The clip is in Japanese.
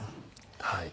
はい。